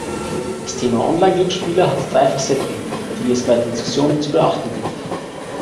Das Thema Online-Glücksspiele hat drei Facetten, die es bei der Diskussion zu beachten gilt.